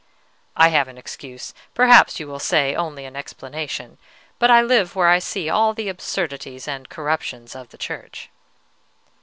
"I have an excuse, perhaps you will say only an explanation; but I live where I see all the absurdities and corruptions of the Church."